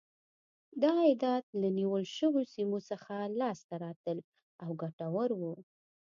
دا عایدات له نیول شویو سیمو څخه لاسته راتلل او ګټور و.